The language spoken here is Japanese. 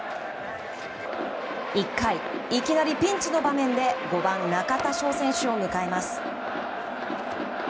１回、いきなりピンチの場面で５番、中田翔選手を迎えます。